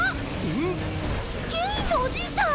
ケインのおじいちゃん！